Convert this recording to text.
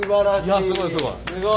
いやすごいすごい。